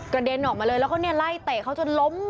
กระเด็นออกมาเลยแล้วเขาเนี่ยไล่เตะเขาจนล้ม